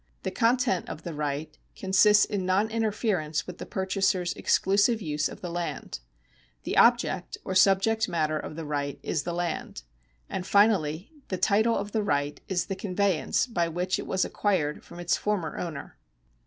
The content of the right consists in non interference with the purchaser's exclusive use of the land. The object or subject matter of the right is the land. And finally the title of the right is the convey ance by which it was acquired from its former owner.